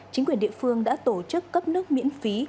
chính quyền địa phương đã tổ chức cấp nước miễn phí